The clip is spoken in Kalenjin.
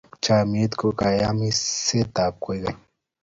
Chomnyet ko kayamisetab koikeny.